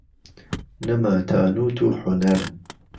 نهما تانووت و حونەر